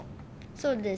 そうです。